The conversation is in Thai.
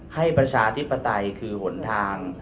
ประชาธิปไตยคือหนทาง